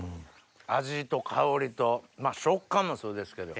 味と香りと食感もそうですけど。